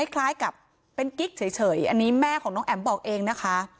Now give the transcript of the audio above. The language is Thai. คล้ายกับเป็นกิ๊กเฉยอันนี้แม่ของน้องแอ๋มบอกเองนะคะ